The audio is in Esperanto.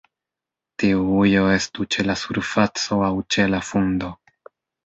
Tiu ujo estu ĉe la surfaco aŭ ĉe la fundo.